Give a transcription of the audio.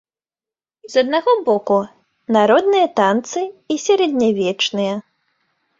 З аднаго боку, народныя танцы і сярэднявечныя.